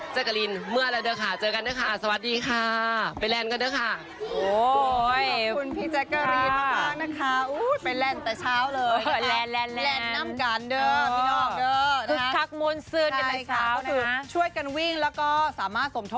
แจกรินเมื่ออะไรเด้อค่ะ